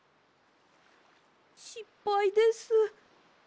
しっぱいです。